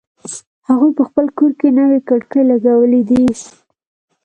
هغوی په خپل کور کی نوې کړکۍ لګولې دي